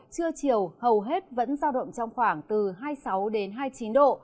trưa chiều hầu hết vẫn sao động trong khoảng từ hai mươi sáu đến hai mươi chín độ